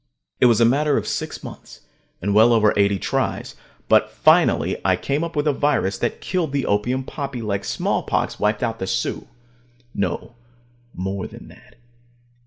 It was a matter of six months, and well over eighty tries, but finally I came up with a virus that killed the opium poppy like smallpox wiped out the Sioux. No; more than that.